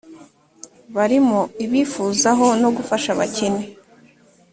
barimo ibifuzaho no gufasha abakene